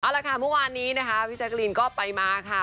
เอาละค่ะเมื่อวานนี้นะคะพี่แจ๊กรีนก็ไปมาค่ะ